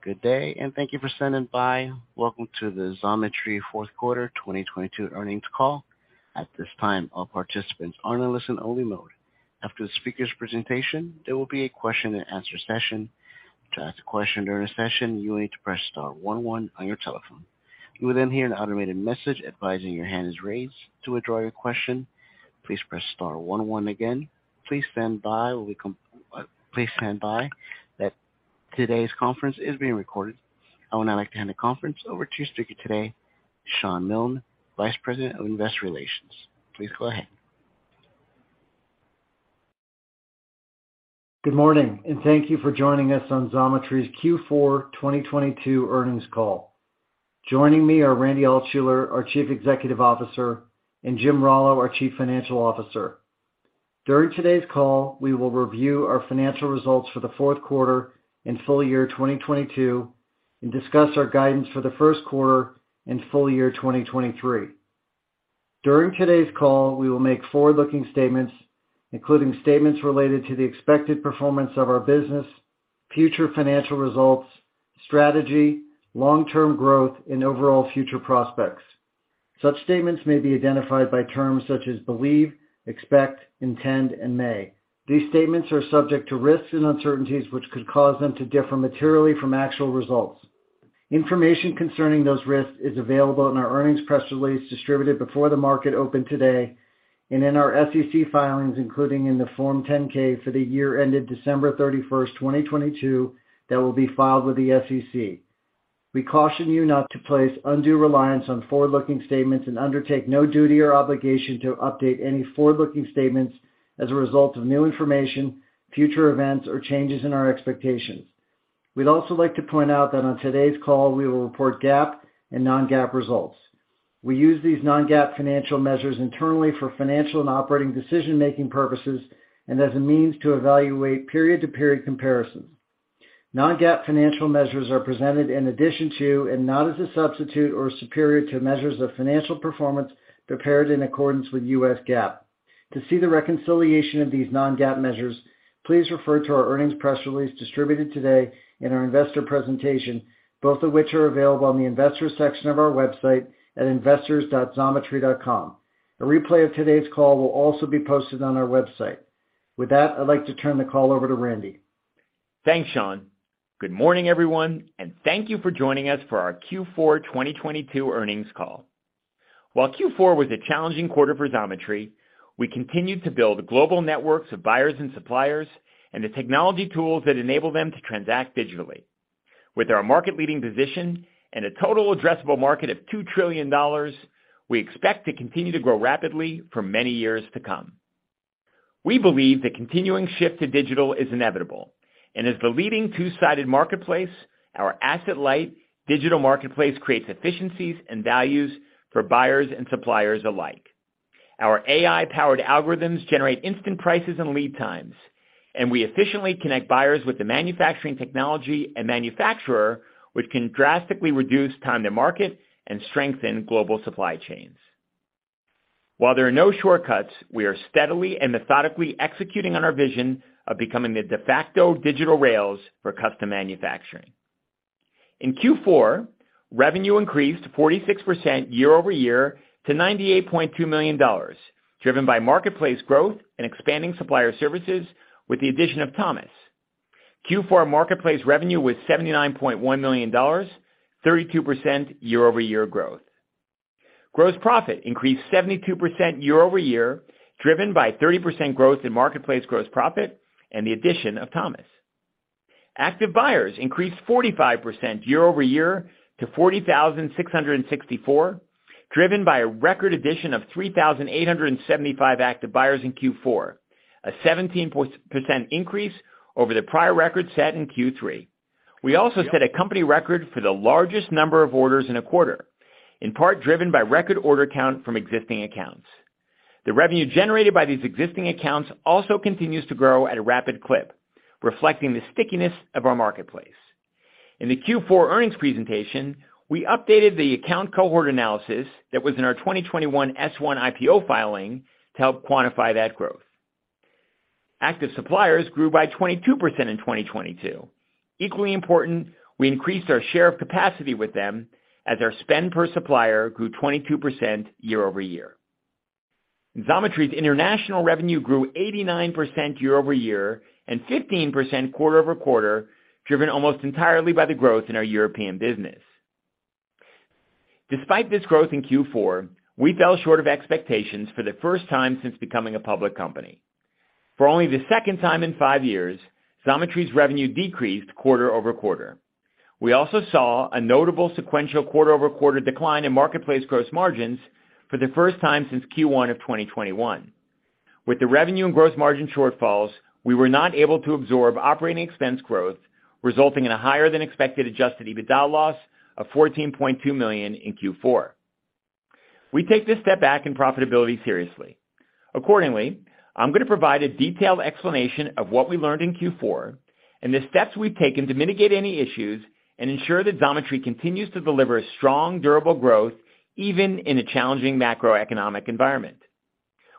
Good day, and thank you for standing by. Welcome to the Xometry fourth quarter 2022 earnings call. At this time, all participants are in a listen only mode. After the speaker's presentation, there will be a question and answer session. To ask a question during the session, you will need to press star one one on your telephone. You will then hear an automated message advising your hand is raised. To withdraw your question, please press star one one again. Please stand by. That today's conference is being recorded. I would now like to hand the conference over to your speaker today, Shawn Milne, Vice President of Investor Relations. Please go ahead. Good morning, and thank you for joining us on Xometry's Q4 2022 earnings call. Joining me are Randy Altschuler, our Chief Executive Officer, and Jim Rallo, our Chief Financial Officer. During today's call, we will review our financial results for the fourth quarter and full year 2022, and discuss our guidance for the first quarter and full year 2023. During today's call, we will make forward-looking statements, including statements related to the expected performance of our business, future financial results, strategy, long-term growth, and overall future prospects. Such statements may be identified by terms such as believe, expect, intend, and may. These statements are subject to risks and uncertainties which could cause them to differ materially from actual results. Information concerning those risks is available in our earnings press release distributed before the market opened today, and in our SEC filings, including in the Form 10-K for the year ended December 31st, 2022, that will be filed with the SEC. We caution you not to place undue reliance on forward-looking statements and undertake no duty or obligation to update any forward-looking statements as a result of new information, future events, or changes in our expectations. We'd also like to point out that on today's call, we will report GAAP and non-GAAP results. We use these non-GAAP financial measures internally for financial and operating decision-making purposes and as a means to evaluate period-to-period comparisons. Non-GAAP financial measures are presented in addition to and not as a substitute or superior to measures of financial performance prepared in accordance with U.S. GAAP. To see the reconciliation of these non-GAAP measures, please refer to our earnings press release distributed today in our investor presentation, both of which are available on the investor section of our website at investors.xometry.com. A replay of today's call will also be posted on our website. With that, I'd like to turn the call over to Randy. Thanks, Shawn. Good morning, everyone, and thank you for joining us for our Q4 2022 earnings call. While Q4 was a challenging quarter for Xometry, we continued to build global networks of buyers and suppliers and the technology tools that enable them to transact digitally. With our market leading position and a total addressable market of $2 trillion, we expect to continue to grow rapidly for many years to come. We believe the continuing shift to digital is inevitable. As the leading two-sided marketplace, our asset-light digital marketplace creates efficiencies and values for buyers and suppliers alike. Our AI-powered algorithms generate instant prices and lead times, and we efficiently connect buyers with the manufacturing technology and manufacturer, which can drastically reduce time to market and strengthen global supply chains. While there are no shortcuts, we are steadily and methodically executing on our vision of becoming the de facto digital rails for custom manufacturing. In Q4, revenue increased 46% year-over-year to $98.2 million, driven by marketplace growth and expanding supplier services with the addition of Thomas. Q4 marketplace revenue was $79.1 million, 32% year-over-year growth. Gross profit increased 72% year-over-year, driven by 30% growth in marketplace gross profit and the addition of Thomas. Active buyers increased 45% year-over-year to 40,664, driven by a record addition of 3,875 active buyers in Q4. A 17% increase over the prior record set in Q3. We also set a company record for the largest number of orders in a quarter, in part driven by record order count from existing accounts. The revenue generated by these existing accounts also continues to grow at a rapid clip, reflecting the stickiness of our marketplace. In the Q4 earnings presentation, we updated the account cohort analysis that was in our 2021 S-1 IPO filing to help quantify that growth. Active suppliers grew by 22% in 2022. Equally important, we increased our share of capacity with them as our spend per supplier grew 22% year-over-year. Xometry's international revenue grew 89% year-over-year and 15% quarter-over-quarter, driven almost entirely by the growth in our European business. Despite this growth in Q4, we fell short of expectations for the first time since becoming a public company. For only the second time in five years, Xometry's revenue decreased quarter-over-quarter. We also saw a notable sequential quarter-over-quarter decline in marketplace gross margins for the first time since Q1 of 2021. With the revenue and gross margin shortfalls, we were not able to absorb operating expense growth, resulting in a higher than expected adjusted EBITDA loss of $14.2 million in Q4. We take this step back in profitability seriously. Accordingly, I'm gonna provide a detailed explanation of what we learned in Q4 and the steps we've taken to mitigate any issues and ensure that Xometry continues to deliver strong, durable growth even in a challenging macroeconomic environment.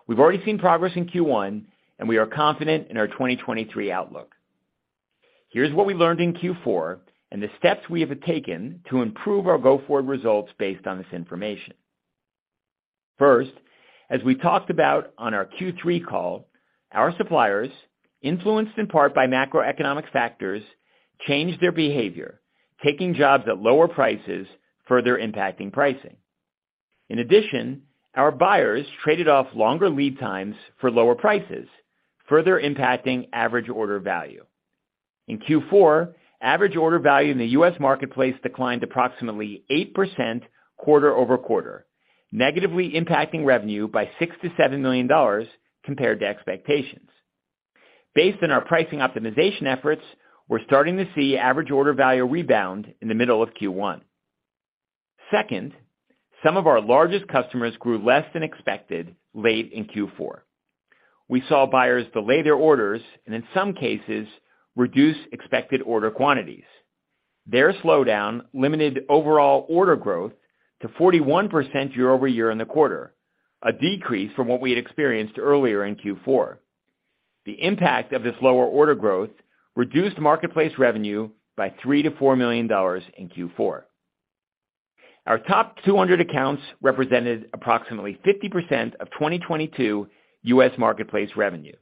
We've already seen progress in Q1, and we are confident in our 2023 outlook. Here's what we learned in Q4 and the steps we have taken to improve our go-forward results based on this information. First, as we talked about on our Q3 call, our suppliers, influenced in part by macroeconomic factors, changed their behavior, taking jobs at lower prices, further impacting pricing. In addition, our buyers traded off longer lead times for lower prices, further impacting average order value. In Q4, average order value in the U.S. marketplace declined approximately 8% quarter-over-quarter, negatively impacting revenue by $6 million-$7 million compared to expectations. Based on our pricing optimization efforts, we're starting to see average order value rebound in the middle of Q1. Second, some of our largest customers grew less than expected late in Q4. We saw buyers delay their orders and in some cases, reduce expected order quantities. Their slowdown limited overall order growth to 41% year-over-year in the quarter, a decrease from what we had experienced earlier in Q4. The impact of this lower order growth reduced marketplace revenue by $3 million-$4 million in Q4. Our top 200 accounts represented approximately 50% of 2022 U.S. marketplace revenue.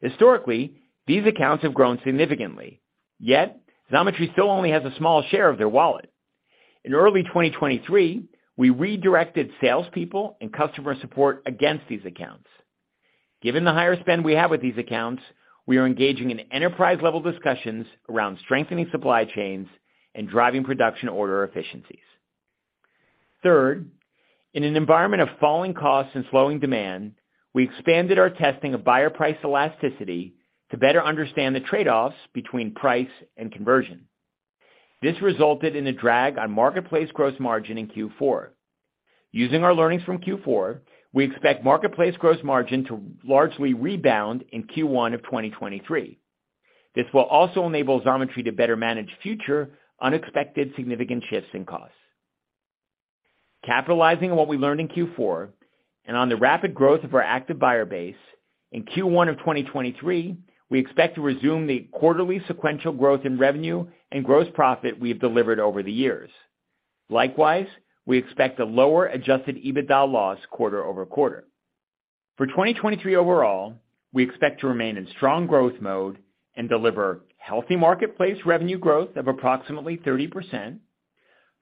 Historically, these accounts have grown significantly, yet Xometry still only has a small share of their wallet. In early 2023, we redirected salespeople and customer support against these accounts. Given the higher spend we have with these accounts, we are engaging in enterprise-level discussions around strengthening supply chains and driving production order efficiencies. Third, in an environment of falling costs and slowing demand, we expanded our testing of buyer price elasticity to better understand the trade-offs between price and conversion. This resulted in a drag on marketplace gross margin in Q4. Using our learnings from Q4, we expect marketplace gross margin to largely rebound in Q1 of 2023. This will also enable Xometry to better manage future unexpected significant shifts in costs. Capitalizing on what we learned in Q4 and on the rapid growth of our active buyer base, in Q1 of 2023, we expect to resume the quarterly sequential growth in revenue and gross profit we have delivered over the years. Likewise, we expect a lower adjusted EBITDA loss quarter-over-quarter. For 2023 overall, we expect to remain in strong growth mode and deliver healthy marketplace revenue growth of approximately 30%,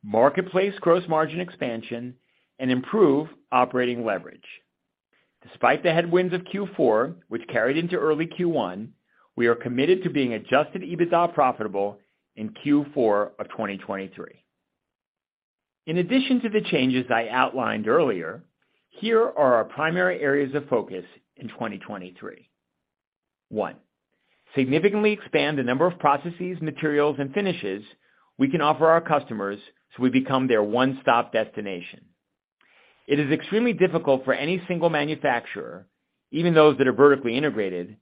marketplace gross margin expansion, and improve operating leverage. Despite the headwinds of Q4, which carried into early Q1, we are committed to being adjusted EBITDA profitable in Q4 of 2023. In addition to the changes I outlined earlier, here are our primary areas of focus in 2023. One, significantly expand the number of processes, materials, and finishes we can offer our customers, so we become their one-stop destination. It is extremely difficult for any single manufacturer, even those that are vertically integrated,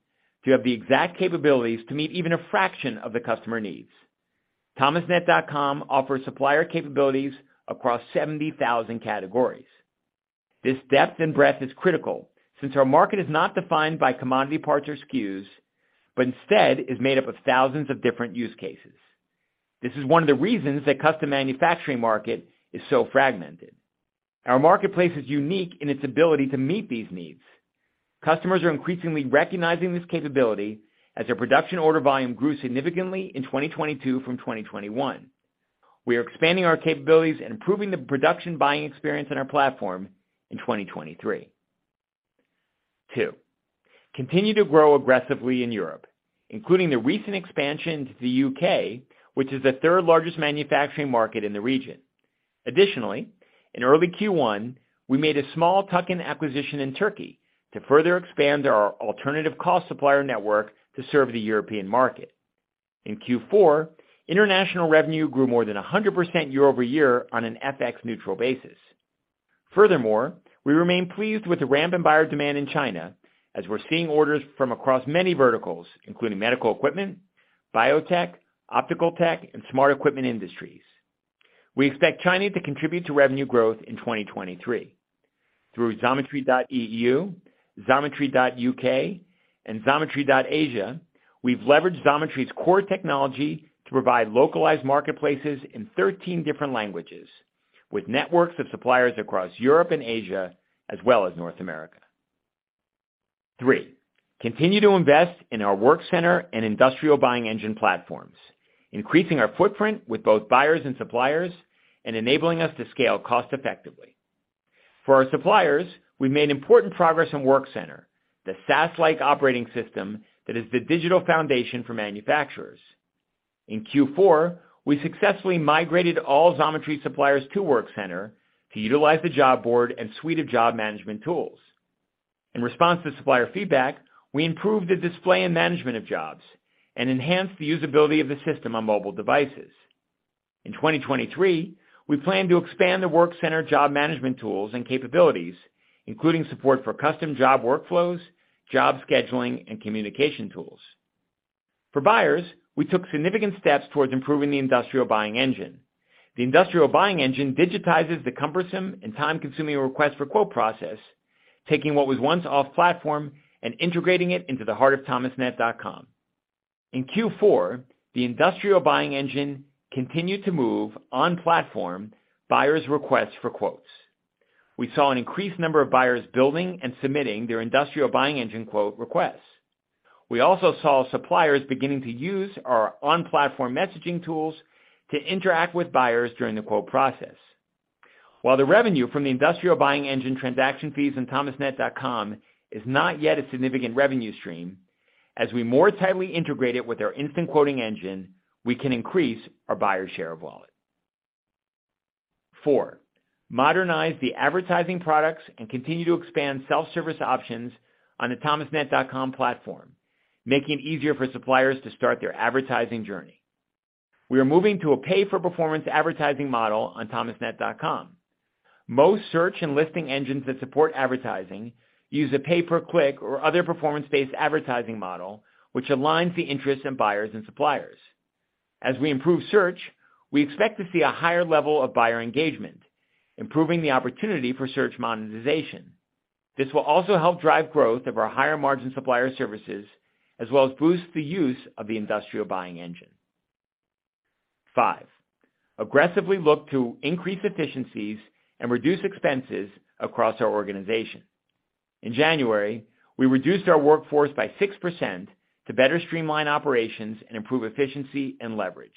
to have the exact capabilities to meet even a fraction of the customer needs. Thomasnet.com offers supplier capabilities across 70,000 categories. This depth and breadth is critical since our market is not defined by commodity parts or SKUs, but instead is made up of thousands of different use cases. This is one of the reasons the custom manufacturing market is so fragmented. Our marketplace is unique in its ability to meet these needs. Customers are increasingly recognizing this capability as their production order volume grew significantly in 2022 from 2021. We are expanding our capabilities and improving the production buying experience on our platform in 2023. Two, continue to grow aggressively in Europe, including the recent expansion to the U.K., which is the third largest manufacturing market in the region. Additionally, in early Q1, we made a small tuck-in acquisition in Turkey to further expand our alternative cost supplier network to serve the European market. In Q4, international revenue grew more than 100% year-over-year on an FX neutral basis. Furthermore, we remain pleased with the ramp in buyer demand in China as we're seeing orders from across many verticals, including medical equipment, biotech, optical tech, and smart equipment industries. We expect China to contribute to revenue growth in 2023. Through xometry.eu, xometry.uk, and xometry.asia, we've leveraged Xometry's core technology to provide localized marketplaces in 13 different languages with networks of suppliers across Europe and Asia, as well as North America. Three, continue to invest in our Workcenter and Industrial Buying Engine platforms, increasing our footprint with both buyers and suppliers and enabling us to scale cost effectively. For our suppliers, we've made important progress in Workcenter, the SaaS-like operating system that is the digital foundation for manufacturers. In Q4, we successfully migrated all Xometry suppliers to Workcenter to utilize the job board and suite of job management tools. In response to supplier feedback, we improved the display and management of jobs and enhanced the usability of the system on mobile devices. In 2023, we plan to expand the Workcenter job management tools and capabilities, including support for custom job workflows, job scheduling, and communication tools. For buyers, we took significant steps towards improving the Industrial Buying Engine. The Industrial Buying Engine digitizes the cumbersome and time-consuming request for quote process, taking what was once off-platform and integrating it into the heart of Thomasnet.com. In Q4, the Industrial Buying Engine continued to move on-platform buyers' requests for quotes. We saw an increased number of buyers building and submitting their Industrial Buying Engine quote requests. We also saw suppliers beginning to use our on-platform messaging tools to interact with buyers during the quote process. While the revenue from the Industrial Buying Engine transaction fees in Thomasnet.com is not yet a significant revenue stream, as we more tightly integrate it with our Instant Quoting Engine, we can increase our buyers' share of wallet. Four, modernize the advertising products and continue to expand self-service options on the Thomasnet.com platform, making it easier for suppliers to start their advertising journey. We are moving to a pay-for-performance advertising model on Thomasnet.com. Most search and listing engines that support advertising use a pay-per-click or other performance-based advertising model, which aligns the interests in buyers and suppliers. As we improve search, we expect to see a higher level of buyer engagement, improving the opportunity for search monetization. This will also help drive growth of our higher margin supplier services, as well as boost the use of the Industrial Buying Engine. Five, aggressively look to increase efficiencies and reduce expenses across our organization. In January, we reduced our workforce by 6% to better streamline operations and improve efficiency and leverage.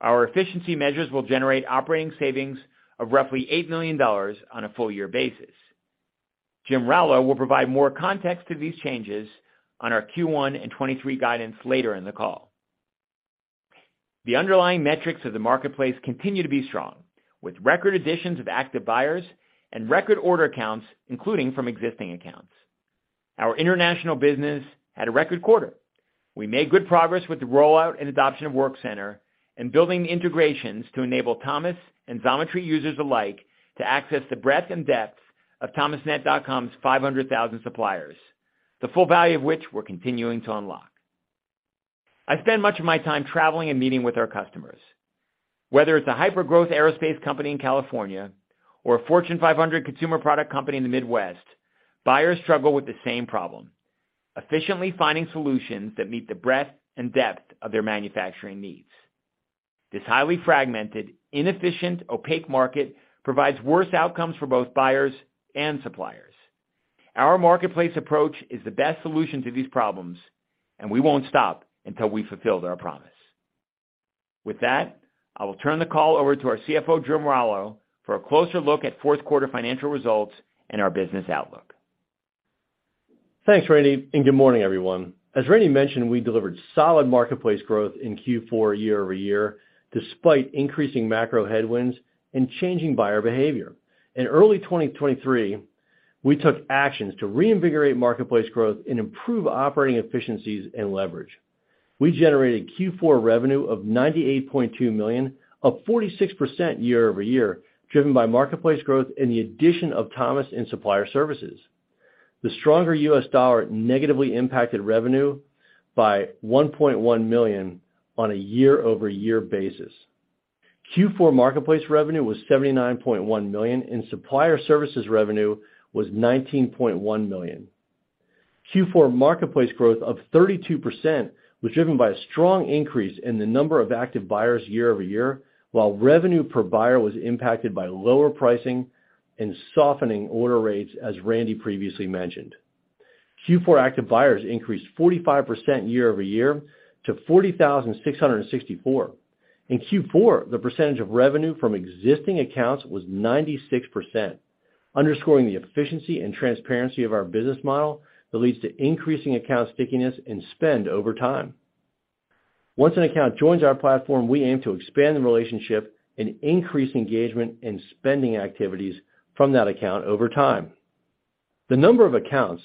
Our efficiency measures will generate operating savings of roughly $8 million on a full year basis. Jim Rallo will provide more context to these changes on our Q1 2023 guidance later in the call. The underlying metrics of the marketplace continue to be strong, with record additions of active buyers and record order accounts, including from existing accounts. Our international business had a record quarter. We made good progress with the rollout and adoption of Workcenter and building integrations to enable Thomas and Xometry users alike to access the breadth and depth of Thomasnet.com's 500,000 suppliers, the full value of which we're continuing to unlock. I spend much of my time traveling and meeting with our customers. Whether it's a hyper-growth aerospace company in California or a Fortune 500 consumer product company in the Midwest, buyers struggle with the same problem: efficiently finding solutions that meet the breadth and depth of their manufacturing needs. This highly fragmented, inefficient, opaque market provides worse outcomes for both buyers and suppliers. Our marketplace approach is the best solution to these problems. We won't stop until we've fulfilled our promise. With that, I will turn the call over to our CFO, Jim Rallo, for a closer look at fourth quarter financial results and our business outlook. Thanks, Randy, good morning, everyone. As Randy mentioned, we delivered solid marketplace growth in Q4 year-over-year, despite increasing macro headwinds and changing buyer behavior. In early 2023, we took actions to reinvigorate marketplace growth and improve operating efficiencies and leverage. We generated Q4 revenue of $98.2 million, up 46% year-over-year, driven by marketplace growth and the addition of Thomas and Supplier Services. The stronger U.S. dollar negatively impacted revenue by $1.1 million on a year-over-year basis. Q4 marketplace revenue was $79.1 million, and Supplier Services revenue was $19.1 million. Q4 marketplace growth of 32% was driven by a strong increase in the number of active buyers year-over-year, while revenue per buyer was impacted by lower pricing and softening order rates, as Randy previously mentioned. Q4 active buyers increased 45% year-over-year to 40,664. In Q4, the percentage of revenue from existing accounts was 96%, underscoring the efficiency and transparency of our business model that leads to increasing account stickiness and spend over time. Once an account joins our platform, we aim to expand the relationship and increase engagement and spending activities from that account over time. The number of accounts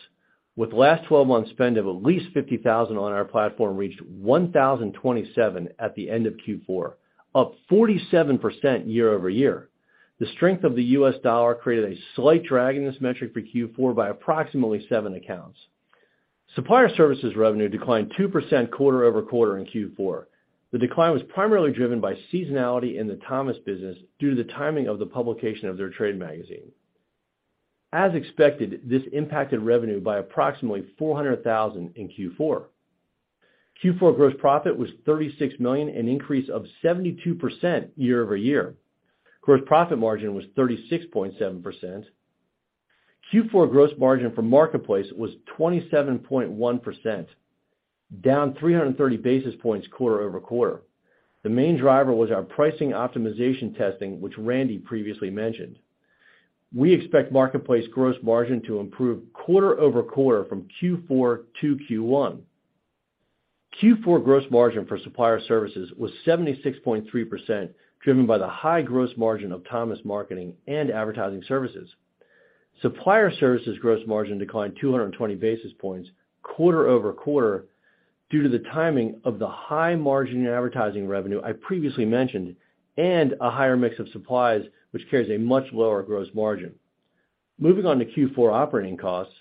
with last 12 months spend of at least $50,000 on our platform reached 1,027 at the end of Q4, up 47% year-over-year. The strength of the U.S. dollar created a slight drag in this metric for Q4 by approximately seven accounts. Supplier Services revenue declined 2% quarter-over-quarter in Q4. The decline was primarily driven by seasonality in the Thomas business due to the timing of the publication of their trade magazine. As expected, this impacted revenue by approximately $400,000 in Q4. Q4 gross profit was $36 million, an increase of 72% year-over-year. Gross profit margin was 36.7%. Q4 gross margin for marketplace was 27.1%, down 330 basis points quarter-over-quarter. The main driver was our pricing optimization testing, which Randy previously mentioned. We expect marketplace gross margin to improve quarter-over-quarter from Q4 to Q1. Q4 gross margin for Supplier Services was 76.3%, driven by the high gross margin of Thomas marketing and advertising services. Supplier Services gross margin declined 220 basis points quarter-over-quarter due to the timing of the high margin in advertising revenue I previously mentioned, and a higher mix of supplies, which carries a much lower gross margin. Moving on to Q4 operating costs.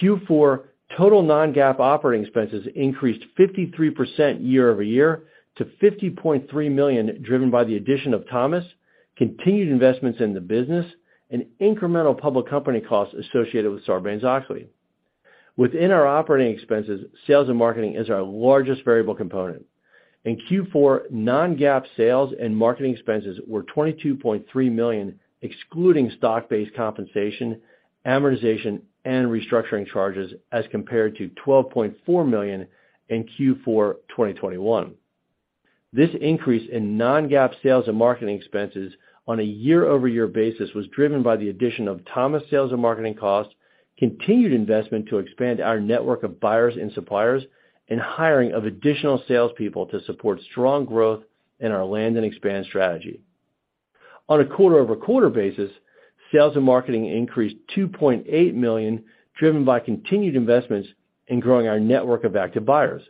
Q4 total non-GAAP operating expenses increased 53% year-over-year to $50.3 million, driven by the addition of Thomas, continued investments in the business, and incremental public company costs associated with Sarbanes-Oxley. Within our operating expenses, sales and marketing is our largest variable component. In Q4, non-GAAP sales and marketing expenses were $22.3 million, excluding stock-based compensation, amortization, and restructuring charges, as compared to $12.4 million in Q4 2021. This increase in non-GAAP sales and marketing expenses on a year-over-year basis was driven by the addition of Thomas sales and marketing costs, continued investment to expand our network of buyers and suppliers, and hiring of additional salespeople to support strong growth in our land and expand strategy. On a quarter-over-quarter basis, sales and marketing increased $2.8 million, driven by continued investments in growing our network of active buyers.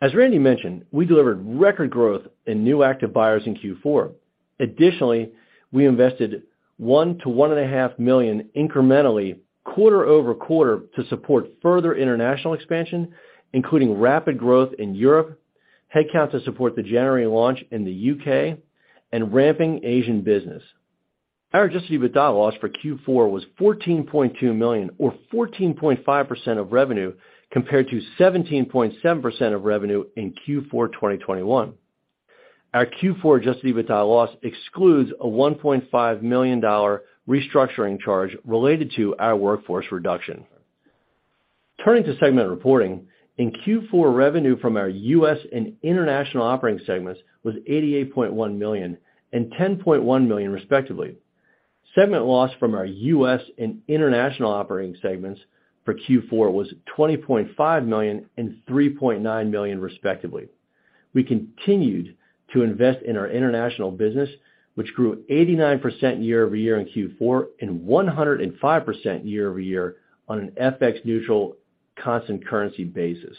As Randy mentioned, we delivered record growth in new active buyers in Q4. Additionally, we invested $1 million-$1.5 million incrementally quarter-over-quarter to support further international expansion, including rapid growth in Europe, headcount to support the January launch in the U.K., and ramping Asian business. Our adjusted EBITDA loss for Q4 was $14.2 million or 14.5% of revenue, compared to 17.7% of revenue in Q4 2021. Our Q4 adjusted EBITDA loss excludes a $1.5 million restructuring charge related to our workforce reduction. Turning to segment reporting. In Q4, revenue from our U.S. and international operating segments was $88.1 million and $10.1 million, respectively. Segment loss from our U.S. and international operating segments for Q4 was $20.5 million and $3.9 million, respectively. We continued to invest in our international business, which grew 89% year-over-year in Q4 and 105% year-over-year on an FX neutral constant currency basis.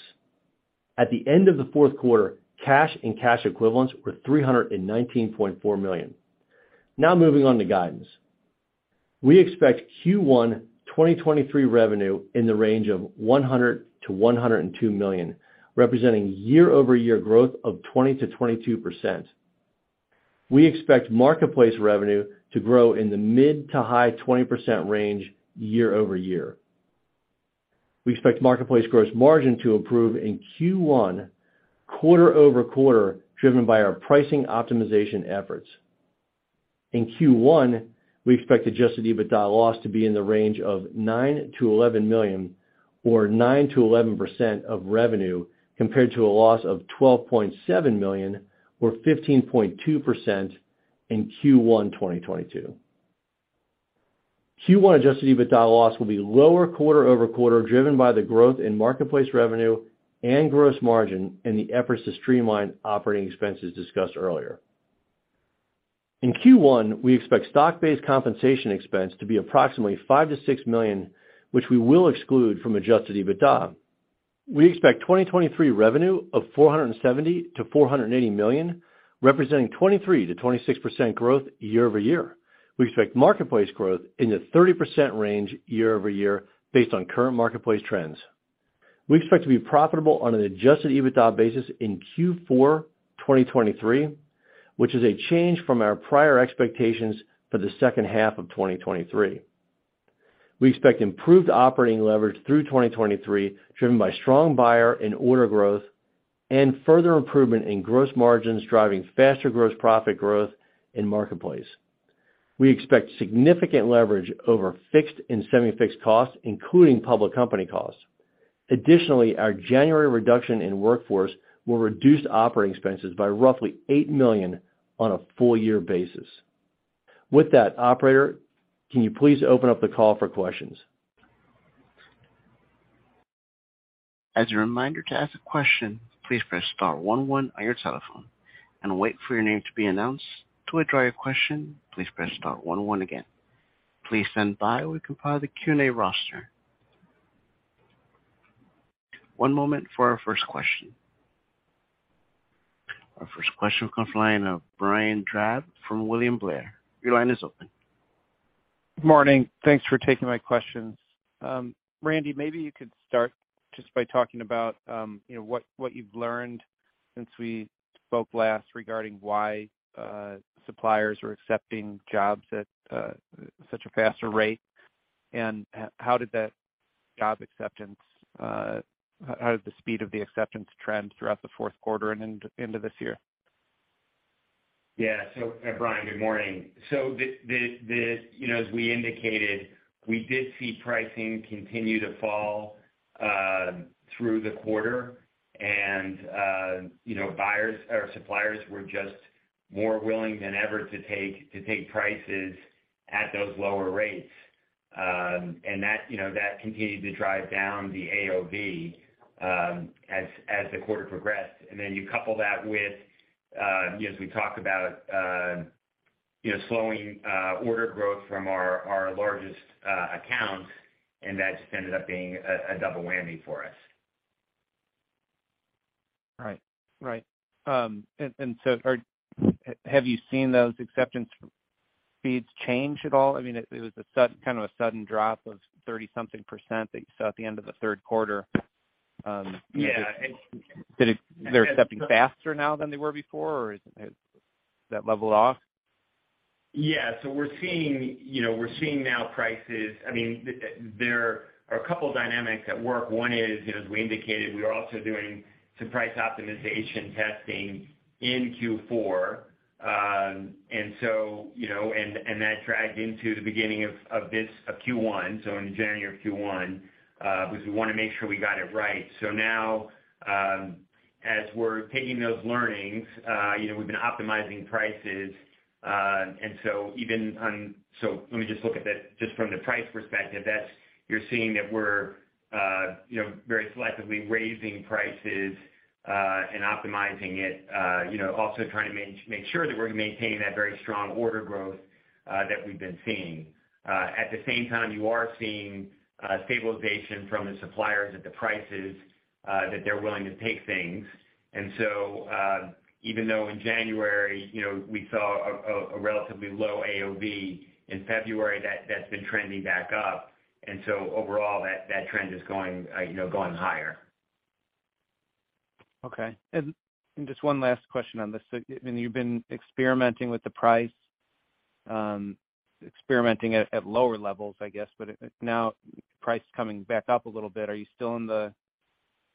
At the end of the fourth quarter, cash and cash equivalents were $319.4 million. Moving on to guidance. We expect Q1 2023 revenue in the range of $100 million-$102 million, representing year-over-year growth of 20%-22%. We expect marketplace revenue to grow in the mid-to-high 20% range year-over-year. We expect marketplace gross margin to improve in Q1 quarter-over-quarter, driven by our pricing optimization efforts. In Q1, we expect adjusted EBITDA loss to be in the range of $9 million-$11 million or 9%-11% of revenue, compared to a loss of $12.7 million or 15.2% in Q1 2022. Q1 adjusted EBITDA loss will be lower quarter-over-quarter, driven by the growth in marketplace revenue and gross margin and the efforts to streamline operating expenses discussed earlier. In Q1, we expect stock-based compensation expense to be approximately $5 million-$6 million, which we will exclude from adjusted EBITDA. We expect 2023 revenue of $470 million-$480 million, representing 23%-26% growth year-over-year. We expect marketplace growth in the 30% range year-over-year based on current marketplace trends. We expect to be profitable on an adjusted EBITDA basis in Q4 2023, which is a change from our prior expectations for the second half of 2023. We expect improved operating leverage through 2023, driven by strong buyer and order growth and further improvement in gross margins, driving faster gross profit growth in marketplace. We expect significant leverage over fixed and semi-fixed costs, including public company costs. Additionally, our January reduction in workforce will reduce operating expenses by roughly $8 million on a full year basis. Operator, can you please open up the call for questions? As a reminder, to ask a question, please press star one one on your telephone and wait for your name to be announced. To withdraw your question, please press star one one again. Please stand by while we compile the Q&A roster. One moment for our first question. Our first question comes from the line of Brian Drab from William Blair. Your line is open. Good morning. Thanks for taking my questions. Randy, maybe you could start just by talking about, you know, what you've learned since we spoke last regarding why suppliers are accepting jobs at such a faster rate, and how did that job acceptance, how did the speed of the acceptance trend throughout the fourth quarter and into this year? Yeah. Brian, good morning. The, the, you know, as we indicated, we did see pricing continue to fall through the quarter and, you know, buyers or suppliers were just more willing than ever to take prices at those lower rates. That, you know, that continued to drive down the AOV as the quarter progressed. Then you couple that with, you know, as we talk about, you know, slowing order growth from our largest accounts, and that just ended up being a double whammy for us. Right. Right. Have you seen those acceptance speeds change at all? I mean, it was kind of a sudden drop of 30 something percent that you saw at the end of the third quarter. Yeah. Are they accepting faster now than they were before or has that leveled off? Yeah. We're seeing, you know, we're seeing now prices. I mean, there are a couple of dynamics at work. One is, you know, as we indicated, we were also doing some price optimization testing in Q4. You know, and that dragged into the beginning of this, of Q1, so in January of Q1, because we wanna make sure we got it right. Now, as we're taking those learnings, you know, we've been optimizing prices. Even on... Let me just look at that just from the price perspective, that's you're seeing that we're, you know, very selectively raising prices, and optimizing it, you know, also trying to make sure that we're maintaining that very strong order growth that we've been seeing. At the same time, you are seeing stabilization from the suppliers at the prices that they're willing to take things. Even though in January, you know, we saw a relatively low AOV, in February that's been trending back up. Overall that trend is going, you know, going higher. Okay. Just one last question on this. I mean, you've been experimenting with the price, experimenting at lower levels, I guess. Now price coming back up a little bit, are you still in the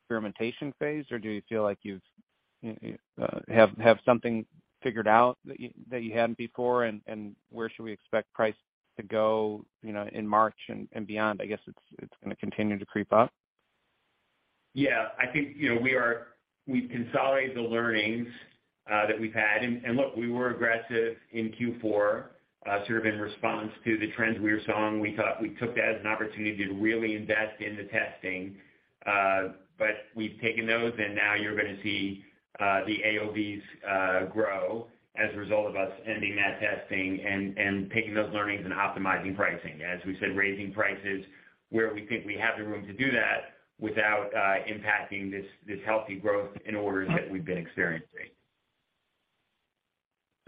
experimentation phase, or do you feel like you've something figured out that you, that you hadn't before? Where should we expect price to go, you know, in March and beyond? I guess it's gonna continue to creep up. Yeah. I think, you know, we've consolidated the learnings that we've had. Look, we were aggressive in Q4, sort of in response to the trends we were seeing. We took that as an opportunity to really invest in the testing. We've taken those and now you're gonna see the AOVs grow as a result of us ending that testing and taking those learnings and optimizing pricing. As we said, raising prices where we think we have the room to do that without impacting this healthy growth in orders that we've been experiencing.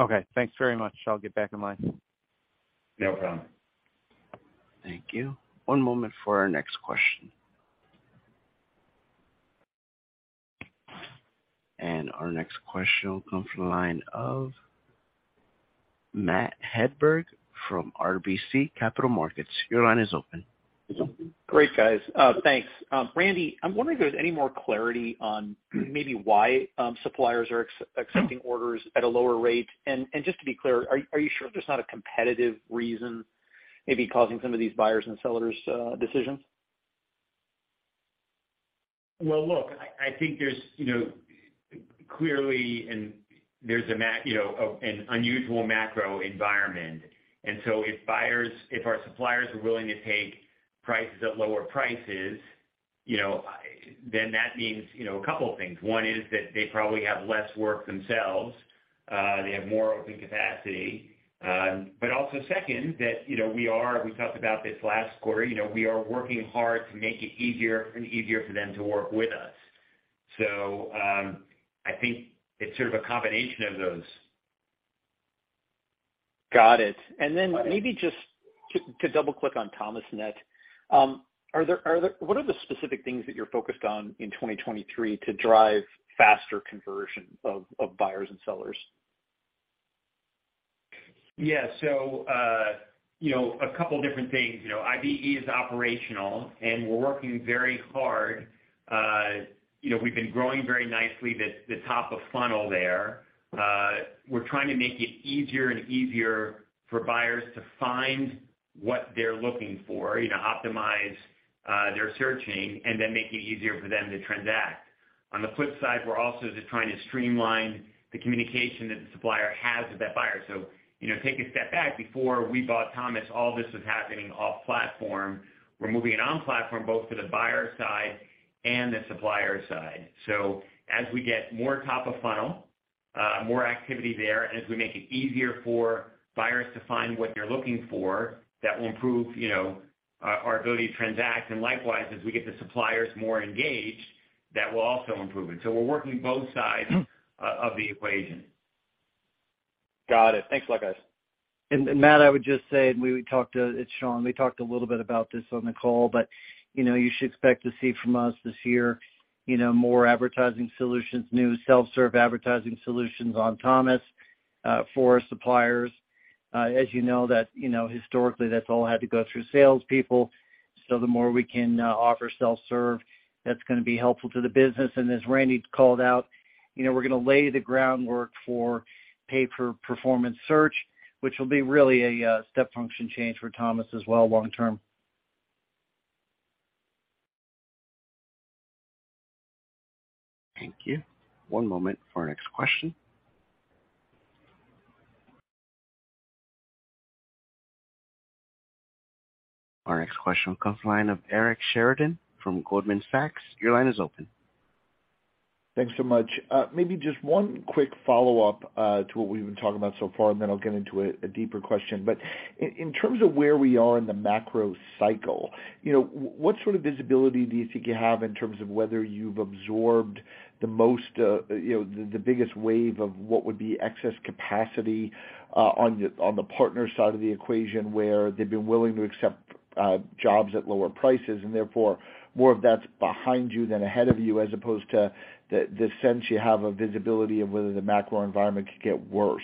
Okay, thanks very much. I'll get back in line. No problem. Thank you. One moment for our next question. Our next question will come from the line of Matt Hedberg from RBC Capital Markets. Your line is open. Great, guys. Thanks. Randy, I'm wondering if there's any more clarity on maybe why suppliers are accepting orders at a lower rate. Just to be clear, are you sure there's not a competitive reason maybe causing some of these buyers and sellers' decisions? Well, look, I think there's, you know, clearly and there's you know, an unusual macro environment. If buyers, if our suppliers are willing to take prices at lower prices, you know, then that means, you know, a couple of things. One is that they probably have less work themselves, they have more open capacity. Also second, that, you know, we are, we talked about this last quarter, you know, we are working hard to make it easier and easier for them to work with us. I think it's sort of a combination of those. Got it. Maybe just to double click on Thomasnet. Are there what are the specific things that you're focused on in 2023 to drive faster conversion of buyers and sellers? Yeah. You know, a couple of different things. You know, IBE is operational, and we're working very hard. You know, we've been growing very nicely the top of funnel there. We're trying to make it easier and easier for buyers to find what they're looking for, you know, optimize their searching and then make it easier for them to transact. On the flip side, we're also just trying to streamline the communication that the supplier has with that buyer. You know, take a step back before we bought Thomas, all this was happening off platform. We're moving it on platform both to the buyer side and the supplier side. As we get more top of funnel, more activity there, and as we make it easier for buyers to find what they're looking for, that will improve, you know, our ability to transact. Likewise, as we get the suppliers more engaged, that will also improve. We're working both sides of the equation. Got it. Thanks a lot, guys. Matt, I would just say, we would talk to, its Shawn. We talked a little bit about this on the call, you know, you should expect to see from us this year, you know, more advertising solutions, new self-serve advertising solutions on Thomas for our suppliers. As you know that, you know, historically, that's all had to go through salespeople. The more we can offer self-serve, that's gonna be helpful to the business. As Randy called out, you know, we're gonna lay the groundwork for pay-for-performance search, which will be really a step function change for Thomas as well long term. Thank you. One moment for our next question. Our next question comes line of Eric Sheridan from Goldman Sachs. Your line is open. Thanks so much. Maybe just one quick follow-up to what we've been talking about so far, and then I'll get into a deeper question. In terms of where we are in the macro cycle, you know, what sort of visibility do you think you have in terms of whether you've absorbed the most, you know, the biggest wave of what would be excess capacity on the partner side of the equation, where they've been willing to accept jobs at lower prices, and therefore more of that's behind you than ahead of you, as opposed to the sense you have a visibility of whether the macro environment could get worse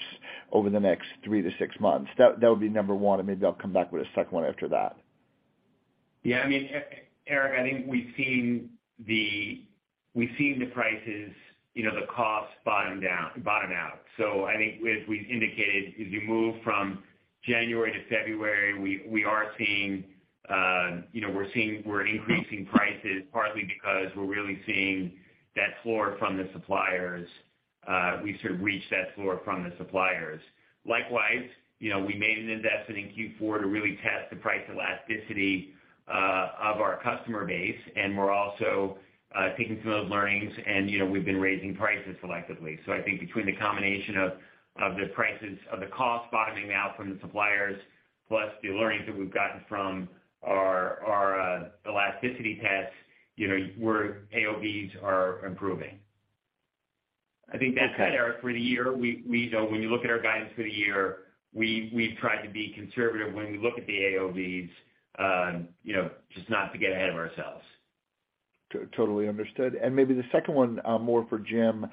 over the next three to six months? That would be number one, and maybe I'll come back with a second one after that. I mean, Eric, I think we've seen the prices, you know, the cost bottom out. I think as we indicated, as you move from January to February, we are seeing, you know, we're increasing prices partly because we're really seeing that floor from the suppliers, we've sort of reached that floor from the suppliers. Likewise, you know, we made an investment in Q4 to really test the price elasticity of our customer base, and we're also taking some of the learnings and, you know, we've been raising prices selectively. I think between the combination of the prices, of the cost bottoming out from the suppliers plus the learnings that we've gotten from our elasticity tests, you know, AOBs are improving. Okay. I think that said, Eric, for the year, we you know, when you look at our guidance for the year, we've tried to be conservative when we look at the AOBs, you know, just not to get ahead of ourselves. Totally understood. Maybe the second one, more for Jim.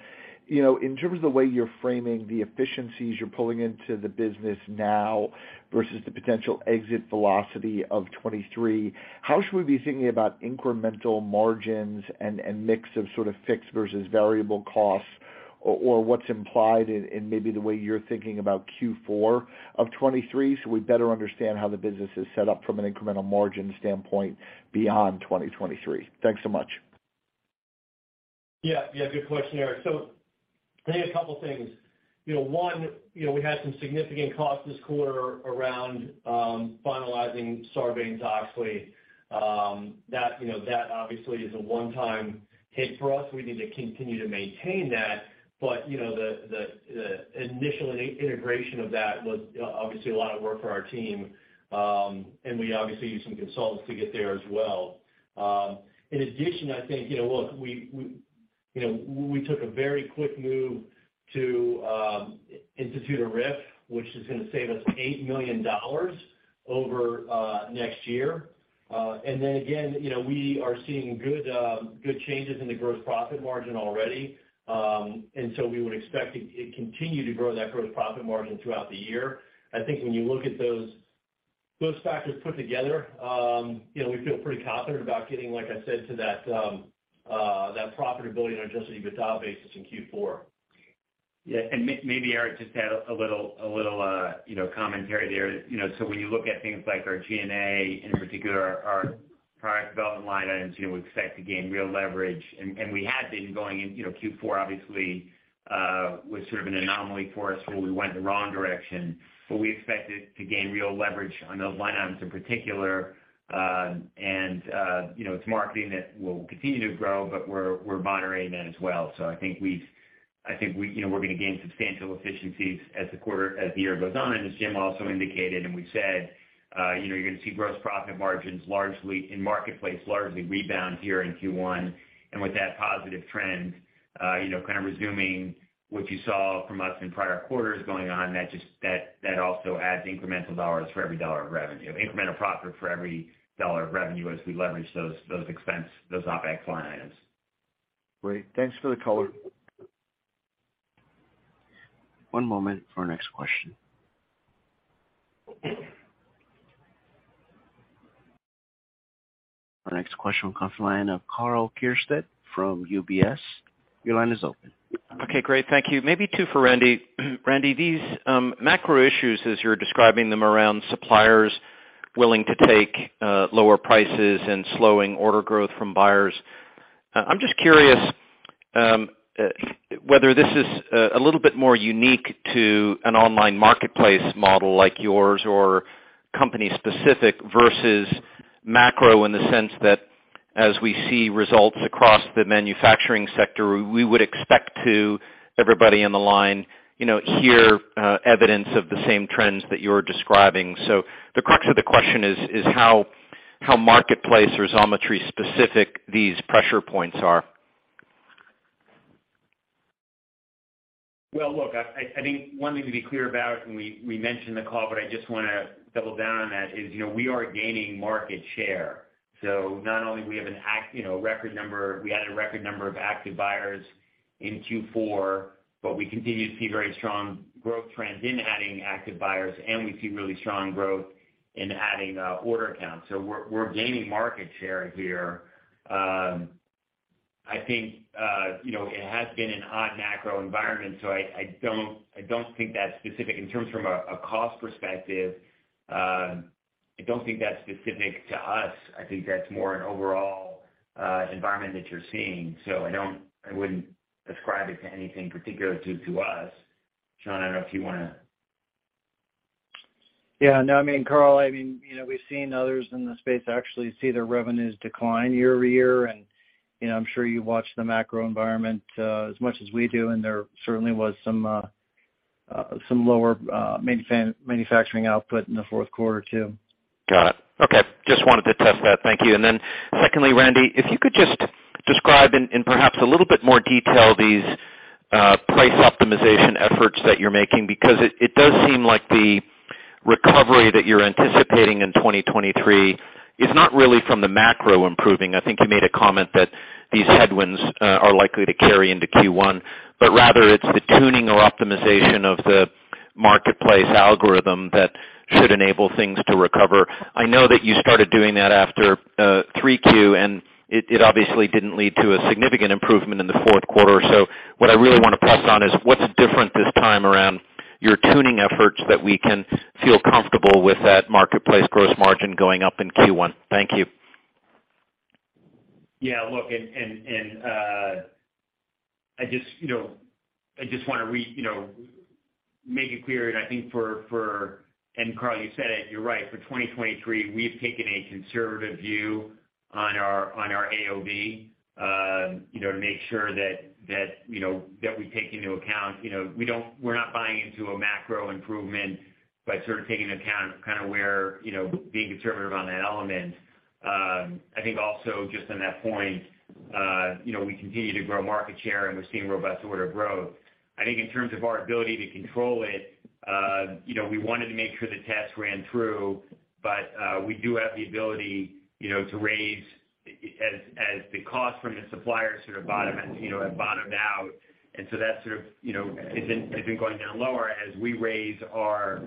You know, in terms of the way you're framing the efficiencies you're pulling into the business now versus the potential exit velocity of 2023, how should we be thinking about incremental margins and mix of sort of fixed versus variable costs or what's implied in maybe the way you're thinking about Q4 of 2023, so we better understand how the business is set up from an incremental margin standpoint beyond 2023? Thanks so much. Yeah. Yeah, good question, Eric. I think a couple things. You know, one, you know, we had some significant costs this quarter around finalizing Sarbanes-Oxley, that, you know, that obviously is a one-time hit for us. We need to continue to maintain that, but, you know, the initial integration of that was obviously a lot of work for our team, and we obviously used some consultants to get there as well. In addition, I think, you know, look, we, you know, we took a very quick move to institute a RIF, which is gonna save us $8 million over next year. Again, you know, we are seeing good changes in the gross profit margin already. We would expect to continue to grow that gross profit margin throughout the year. I think when you look at those factors put together, you know, we feel pretty confident about getting, like I said, to that profitability on adjusted EBITDA basis in Q4. Yeah. Maybe, Eric, just add a little, you know, commentary there. You know, when you look at things like our G&A, in particular our product development line items, you know, we expect to gain real leverage. We had been going in, you know, Q4 obviously was sort of an anomaly for us, where we went in the wrong direction. We expected to gain real leverage on those line items in particular. You know, it's marketing that will continue to grow, but we're moderating that as well. I think we, you know, we're gonna gain substantial efficiencies as the quarter, as the year goes on. As Jim also indicated and we've said, you know, you're gonna see gross profit margins largely in marketplace largely rebound here in Q1. With that positive trend, you know, kind of resuming what you saw from us in prior quarters going on, that also adds incremental dollars for every dollar of revenue. Incremental profit for every dollar of revenue as we leverage those expense, those OpEx line items. Great. Thanks for the color. One moment for our next question. Our next question comes from the line of Karl Keirstead from UBS. Your line is open. Okay, great. Thank you. Maybe two for Randy. Randy, these macro issues as you're describing them around suppliers willing to take lower prices and slowing order growth from buyers. I'm just curious whether this is a little bit more unique to an online marketplace model like yours or company specific versus macro in the sense that as we see results across the manufacturing sector, we would expect to, everybody in the line, you know, hear evidence of the same trends that you're describing. The crux of the question is how marketplace or Xometry specific these pressure points are. Look, I think one thing to be clear about, we mentioned the call, I just want to double down on that is, you know, we are gaining market share. Not only we had a record number of active buyers in Q4, we continue to see very strong growth trends in adding active buyers, we see really strong growth in adding order accounts. We're gaining market share here. I think, you know, it has been an odd macro environment, I don't think that's specific in terms from a cost perspective, I don't think that's specific to us. I think that's more an overall environment that you're seeing. I wouldn't ascribe it to anything particular to us. Shawn, I don't know if you wanna... Yeah, no, I mean, Karl, I mean, you know, we've seen others in the space actually see their revenues decline year-over-year. You know, I'm sure you watch the macro environment as much as we do, and there certainly was some lower manufacturing output in the fourth quarter too. Got it. Okay. Just wanted to test that. Thank you. Secondly, Randy, if you could just describe in perhaps a little bit more detail these price optimization efforts that you're making because it does seem like the recovery that you're anticipating in 2023 is not really from the macro improving. I think you made a comment that these headwinds are likely to carry into Q1, but rather it's the tuning or optimization of the marketplace algorithm that should enable things to recover. I know that you started doing that after 3Q, and it obviously didn't lead to a significant improvement in the fourth quarter. What I really want to press on is what's different this time around your tuning efforts that we can feel comfortable with that marketplace gross margin going up in Q1? Thank you. Yeah, look, and I just, you know, I just wanna you know, make it clear, and I think for Karl, you said it, you're right. For 2023, we've taken a conservative view on our, on our AOV, you know, to make sure that, you know, that we take into account. You know, we're not buying into a macro improvement by sort of taking into account kinda where, you know, being conservative on that element. I think also just on that point, you know, we continue to grow market share, and we're seeing robust order growth. I think in terms of our ability to control it, you know, we wanted to make sure the test ran through. We do have the ability, you know, to raise as the cost from the suppliers sort of bottom, you know, have bottomed out. That sort of, you know, has been going down lower as we raise our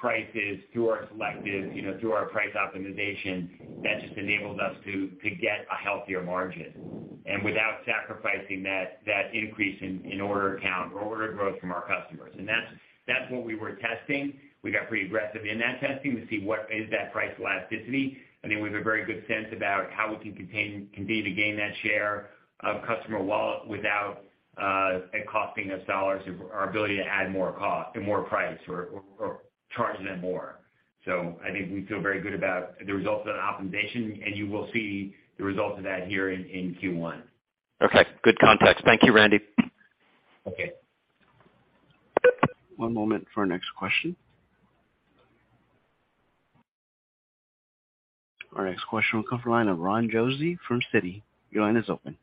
prices through our selective, you know, through our price optimization, that just enables us to get a healthier margin. Without sacrificing that increase in order count or order growth from our customers. That's what we were testing. We got pretty aggressive in that testing to see what is that price elasticity. I think we have a very good sense about how we can continue to gain that share of customer wallet without it costing us dollars or our ability to add more cost or more price or charging them more. I think we feel very good about the results of that optimization, and you will see the results of that here in Q1. Okay. Good context. Thank you, Randy. Okay. One moment for our next question. Our next question will come from the line of Ron Josey from Citi. Your line is open.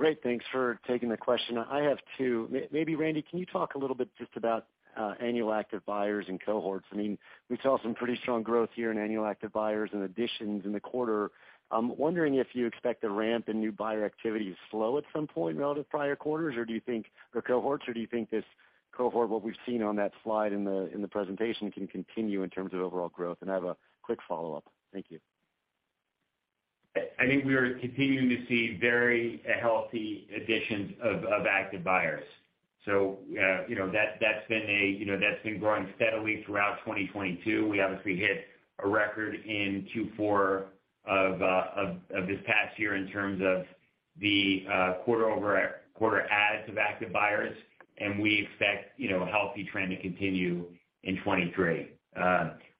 Great. Thanks for taking the question. I have two. Maybe Randy, can you talk a little bit just about annual active buyers and cohorts? I mean, we saw some pretty strong growth here in annual active buyers and additions in the quarter. I'm wondering if you expect the ramp in new buyer activity to slow at some point relative to prior quarters, or do you think this cohort, what we've seen on that slide in the presentation can continue in terms of overall growth? I have a quick follow-up. Thank you. I think we are continuing to see very healthy additions of active buyers. You know, that's been growing steadily throughout 2022. We obviously hit a record in Q4 of this past year in terms of the quarter-over-quarter adds of active buyers, and we expect, you know, a healthy trend to continue in 2023.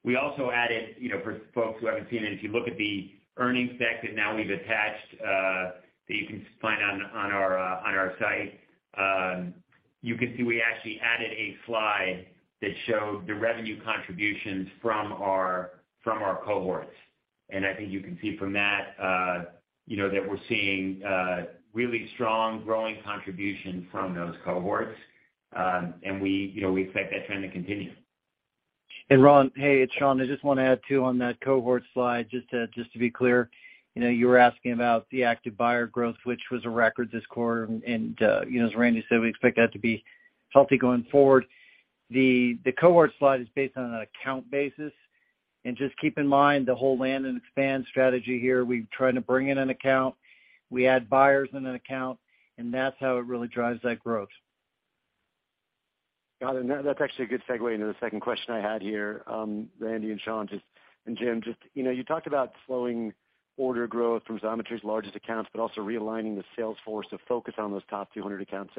We also added, you know, for folks who haven't seen it, if you look at the earnings deck that now we've attached, that you can find on our site, you can see we actually added a slide that showed the revenue contributions from our cohorts. I think you can see from that, you know, that we're seeing really strong growing contribution from those cohorts. We, you know, we expect that trend to continue. Ron, hey, it's Shawn. I just wanna add, too, on that cohort slide, just to be clear, you know, you were asking about the active buyer growth, which was a record this quarter. You know, as Randy said, we expect that to be healthy going forward. The cohort slide is based on an account basis. Just keep in mind the whole land and expand strategy here. We try to bring in an account, we add buyers in an account, and that's how it really drives that growth. Got it. That, that's actually a good segue into the second question I had here. Randy and Shawn, and Jim, you know, you talked about slowing order growth from Xometry's largest accounts, but also realigning the sales force to focus on those top 200 accounts.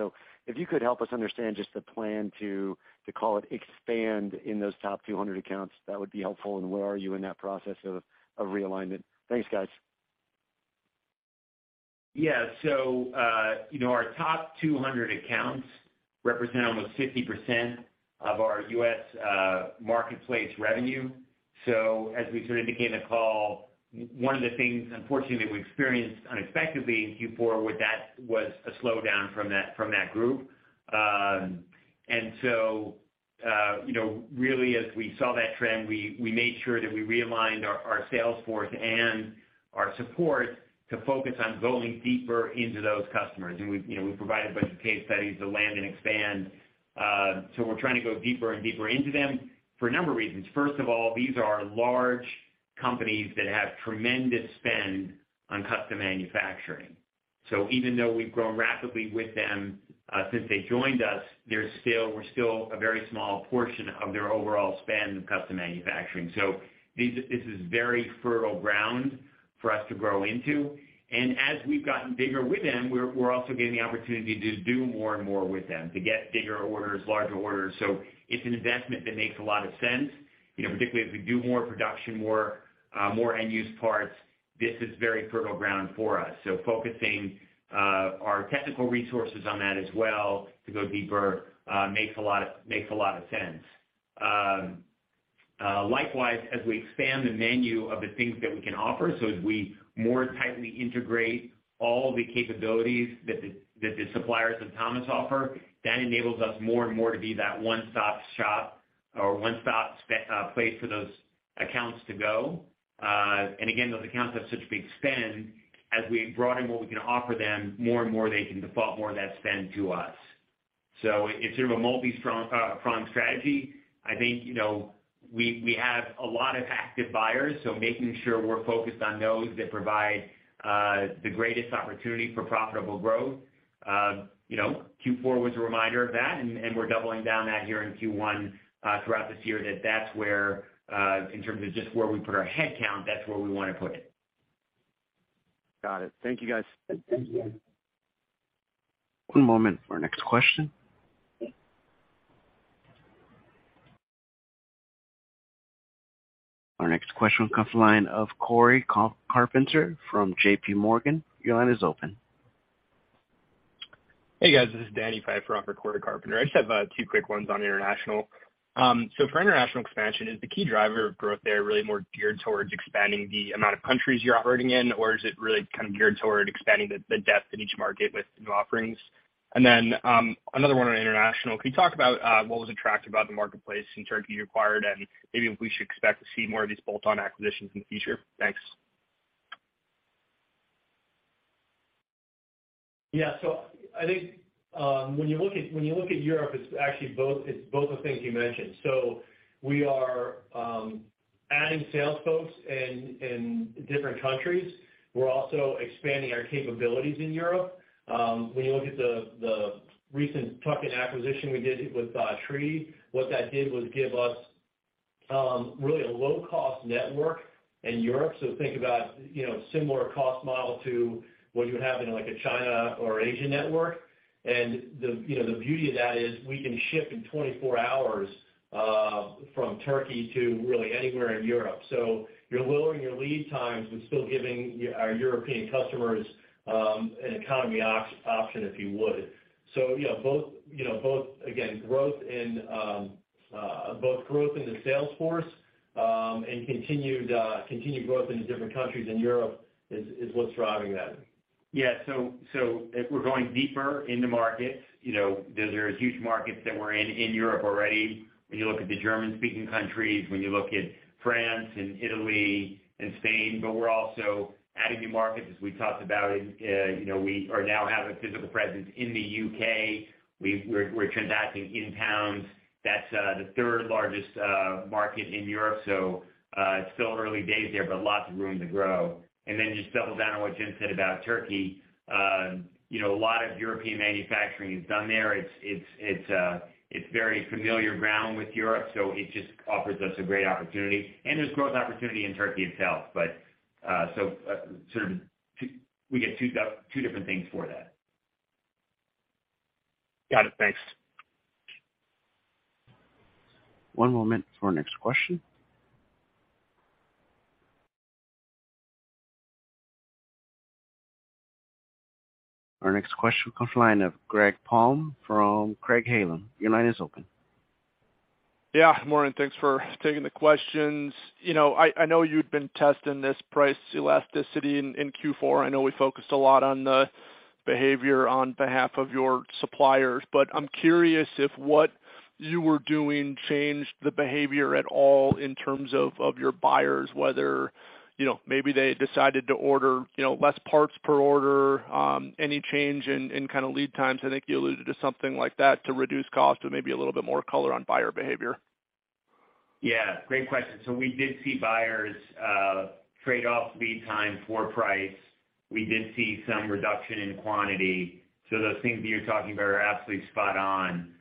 If you could help us understand just the plan to call it expand in those top 200 accounts, that would be helpful. Where are you in that process of realignment? Thanks, guys. Yeah. You know, our top 200 accounts represent almost 50% of our U.S. marketplace revenue. As we sort of began the call, one of the things unfortunately that we experienced unexpectedly in Q4 with that was a slowdown from that group. You know, really as we saw that trend, we made sure that we realigned our sales force and our support to focus on going deeper into those customers. We've, you know, we've provided a bunch of case studies to land and expand. We're trying to go deeper and deeper into them for a number of reasons. First of all, these are large companies that have tremendous spend on custom manufacturing. Even though we've grown rapidly with them, since they joined us, we're still a very small portion of their overall spend in custom manufacturing. This is very fertile ground for us to grow into. As we've gotten bigger with them, we're also getting the opportunity to do more and more with them, to get bigger orders, larger orders. It's an investment that makes a lot of sense. You know, particularly if we do more production work, more end-use parts, this is very fertile ground for us. Focusing, our technical resources on that as well to go deeper, makes a lot of sense. Likewise, as we expand the menu of the things that we can offer, as we more tightly integrate all the capabilities that the suppliers of Thomas offer, that enables us more and more to be that one-stop shop or one-stop place for those accounts to go. Again, those accounts have such big spend. As we broaden what we can offer them, more and more they can default more of that spend to us. It's sort of a multi-pronged strategy. I think, you know, we have a lot of active buyers, so making sure we're focused on those that provide the greatest opportunity for profitable growth. You know, Q4 was a reminder of that, and we're doubling down that here in Q1, throughout this year, that's where, in terms of just where we put our head count, that's where we wanna put it. Got it. Thank you, guys. One moment for our next question. Our next question will come from the line of Cory Carpenter from JPMorgan. Your line is open. Hey, guys. This is Danny Pfeiffer on for Cory Carpenter. I just have two quick ones on international. For international expansion, is the key driver of growth there really more geared towards expanding the amount of countries you're operating in? Or is it really kind of geared toward expanding the depth in each market with new offerings? Another one on international. Can you talk about what was attractive about the marketplace in Turkey you acquired, and maybe if we should expect to see more of these bolt-on acquisitions in the future? Thanks. Yeah. I think, when you look at, when you look at Europe, it's actually both. It's both the things you mentioned. We are adding sales folks in different countries. We're also expanding our capabilities in Europe. When you look at the recent tuck-in acquisition we did with Tridi, what that did was give us really a low cost network in Europe. Think about, you know, similar cost model to what you would have in like a China or Asia network. The, you know, the beauty of that is we can ship in 24 hours from Turkey to really anywhere in Europe. You're lowering your lead times and still giving our European customers an economy opt-option, if you would. You know, both again, growth in, both growth in the sales force, and continued growth into different countries in Europe is what's driving that. If we're going deeper into markets, you know, there are huge markets that we're in Europe already. When you look at the German-speaking countries, when you look at France and Italy and Spain, we're also adding new markets, as we talked about, you know, we now have a physical presence in the U.K. We're transacting in pounds. That's the third-largest market in Europe. It's still early days there, but lots of room to grow. Just double down on what Jim said about Turkey. You know, a lot of European manufacturing is done there. It's very familiar ground with Europe, it just offers us a great opportunity. There's growth opportunity in Turkey itself. We get two different things for that. Got it. Thanks. One moment for our next question. Our next question comes line of Greg Palm from Craig-Hallum. Your line is open. Yeah. Morning. Thanks for taking the questions. You know, I know you'd been testing this price elasticity in Q4. I know we focused a lot on the behavior on behalf of your suppliers. I'm curious if what you were doing changed the behavior at all in terms of your buyers, whether, you know, maybe they decided to order, you know, less parts per order, any change in kinda lead times. I think you alluded to something like that to reduce cost and maybe a little bit more color on buyer behavior. Yeah, great question. We did see buyers trade off lead time for price. We did see some reduction in quantity. Those things that you're talking about are absolutely spot on.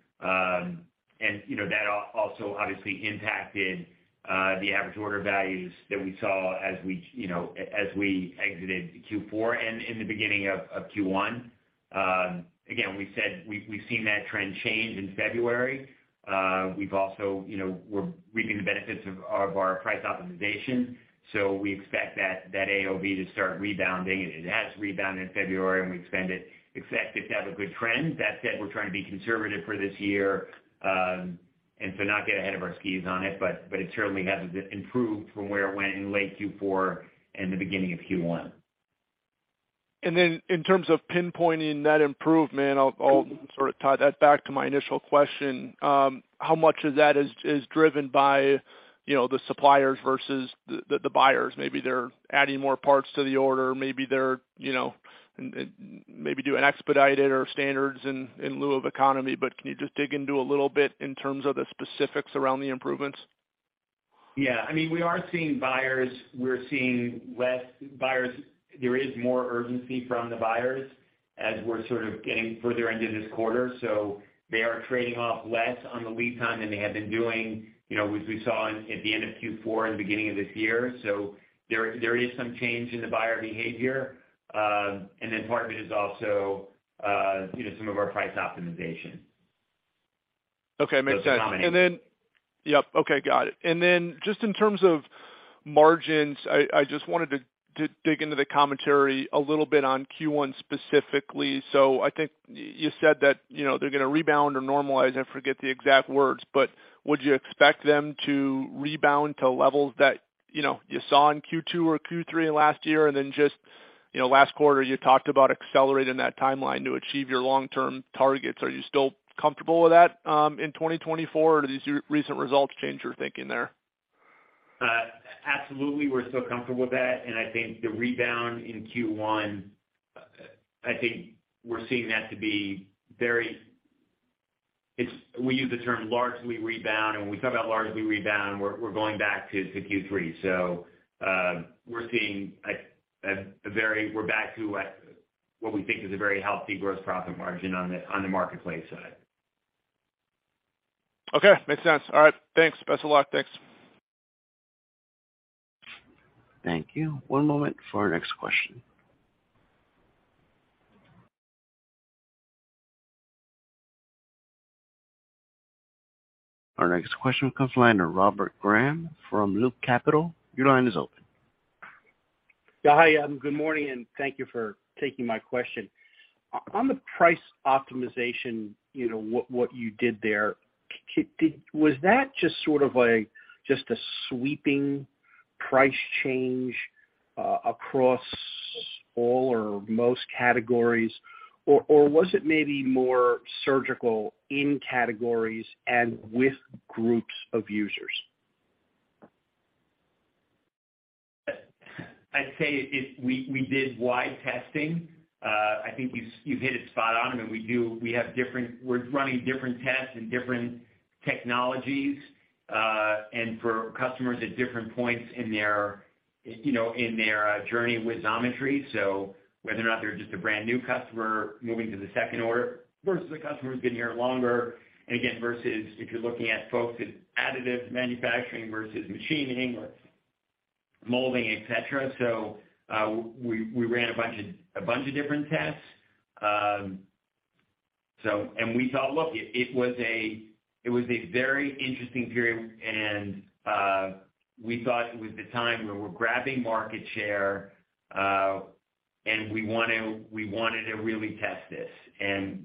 You know, that also obviously impacted the average order values that we saw as we, you know, as we exited Q4 and in the beginning of Q1. Again, we've seen that trend change in February. We've also, you know, we're reaping the benefits of our price optimization. We expect that AOV to start rebounding, and it has rebounded in February, and we expect it to have a good trend. That said, we're trying to be conservative for this year, and to not get ahead of our skis on it, but it certainly has improved from where it went in late Q4 and the beginning of Q1. In terms of pinpointing that improvement, I'll sort of tie that back to my initial question. How much of that is driven by, you know, the suppliers versus the buyers? Maybe they're adding more parts to the order. Maybe they're, you know, maybe doing expedited or standards in lieu of economy. Can you just dig into a little bit in terms of the specifics around the improvements? Yeah. I mean, we are seeing buyers. We're seeing less buyers. There is more urgency from the buyers as we're sort of getting further into this quarter. They are trading off less on the lead time than they had been doing, you know, we saw at the end of Q4 and the beginning of this year. There is some change in the buyer behavior. Part of it is also, you know, some of our price optimization. Okay, makes sense. yep. Okay, got it. just in terms of margins, I just wanted to dig into the commentary a little bit on Q1 specifically. I think you said that, you know, they're gonna rebound or normalize, I forget the exact words, but would you expect them to rebound to levels that, you know, you saw in Q2 or Q3 last year? Just, you know, last quarter, you talked about accelerating that timeline to achieve your long-term targets. Are you still comfortable with that in 2024, or do these recent results change your thinking there? Absolutely. We're still comfortable with that, and I think the rebound in Q1, I think we're seeing that to be very we use the term largely rebound, and when we talk about largely rebound, we're going back to Q3. We're seeing we're back to what we think is a very healthy gross profit margin on the, on the marketplace side. Okay, makes sense. All right, thanks. Best of luck. Thanks. Thank you. One moment for our next question. Our next question comes from the line of Scott Graham from Loop Capital. Your line is open. Yeah. Hi, good morning. Thank you for taking my question. On the price optimization, you know, what you did there, was that just sort of a sweeping price change across all or most categories, or was it maybe more surgical in categories and with groups of users? I'd say we did wide testing. I think you've hit it spot on. I mean, we're running different tests and different technologies, and for customers at different points in their, you know, in their journey with Xometry. Whether or not they're just a brand new customer moving to the second order versus a customer who's been here longer, and again, versus if you're looking at folks in additive manufacturing versus machining or molding, et cetera. We ran a bunch of different tests. And we thought, look, it was a very interesting period, and we thought it was the time where we're grabbing market share, and we wanted to really test this.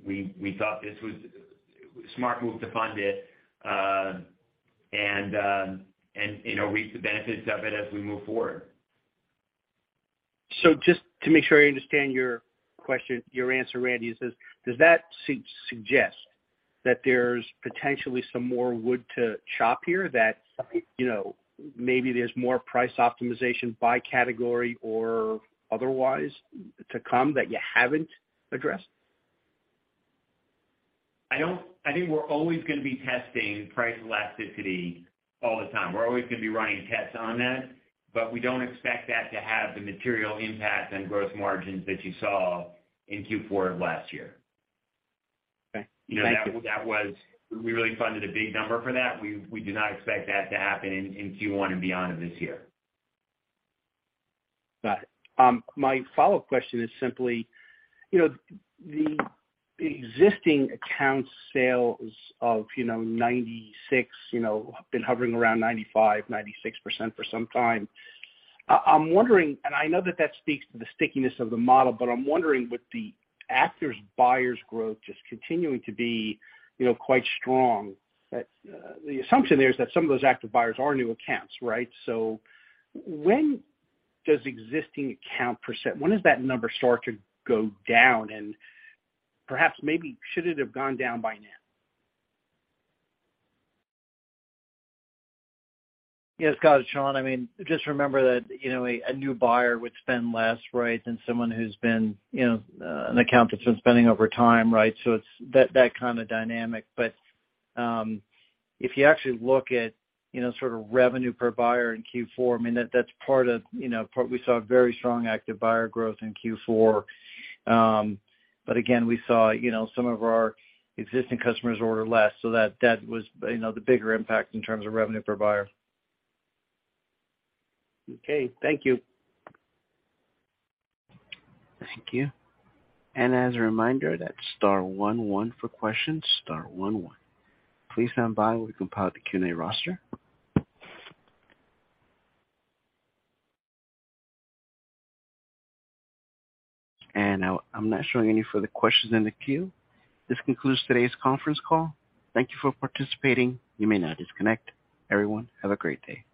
We thought this was a smart move to fund it, and, you know, reap the benefits of it as we move forward. Just to make sure I understand your question, your answer, Randy, is does that suggest that there's potentially some more wood to chop here that, you know, maybe there's more price optimization by category or otherwise to come that you haven't addressed? I think we're always gonna be testing price elasticity all the time. We're always gonna be running tests on that, but we don't expect that to have the material impact on gross margins that you saw in Q4 of last year. Okay. Thank you. You know, that was. We really funded a big number for that. We do not expect that to happen in Q1 and beyond of this year. Got it. My follow-up question is simply, you know, the existing account sales of, you know, 96%, you know, been hovering around 95%-96% for some time. I'm wondering, and I know that that speaks to the stickiness of the model, but I'm wondering with the active buyers growth just continuing to be, you know, quite strong, the assumption there is that some of those active buyers are new accounts, right? When does that number start to go down, and perhaps maybe should it have gone down by now? Yes, Scott it's Shawn. I mean, just remember that, you know, a new buyer would spend less, right, than someone who's been, you know, an account that's been spending over time, right? It's that kind of dynamic. If you actually look at, you know, sort of revenue per buyer in Q4, I mean that's part of, you know, we saw very strong active buyer growth in Q4. Again, we saw, you know, some of our existing customers order less. That, that was, you know, the bigger impact in terms of revenue per buyer. Okay. Thank you. Thank you. As a reminder, that's star one one for questions, star one one. Please stand by while we compile the Q&A roster. Now I'm not showing any further questions in the queue. This concludes today's conference call. Thank you for participating. You may now disconnect. Everyone, have a great day.